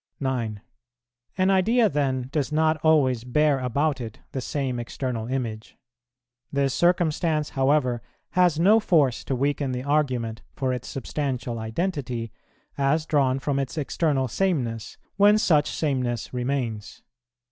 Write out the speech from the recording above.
9. An idea then does not always bear about it the same external image; this circumstance, however, has no force to weaken the argument for its substantial identity, as drawn from its external sameness, when such sameness remains.